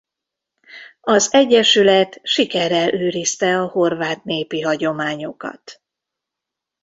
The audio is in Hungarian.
Az egyesület sikerrel őrizte a horvát népi hagyományokat.